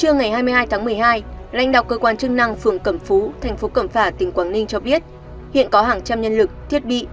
trưa ngày hai mươi hai tháng một mươi hai lãnh đạo cơ quan chức năng phường cẩm phú thành phố cẩm phả tỉnh quảng ninh cho biết hiện có hàng trăm nhân lực thiết bị